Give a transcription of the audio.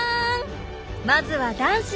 まずは男子の部。